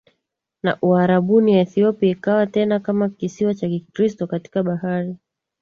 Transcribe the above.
na Uarabuni Ethiopia ikawa tena kama kisiwa cha Kikristo katika bahari